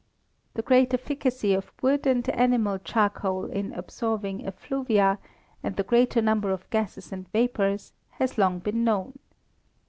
The great efficacy of wood and animal charcoal in absorbing effluvia, and the greater number of gases and vapours, has long been known.